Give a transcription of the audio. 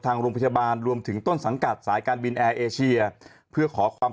ทางโรงพยาบาลรวมถึงต้นสังกัดสายการบินแอร์เอเชียเพื่อขอความ